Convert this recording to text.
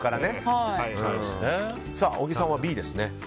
小木さんはＢですね。